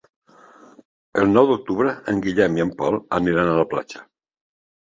El nou d'octubre en Guillem i en Pol aniran a la platja.